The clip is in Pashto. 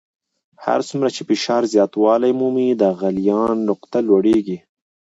هر څومره چې فشار زیاتوالی مومي د غلیان نقطه لوړیږي.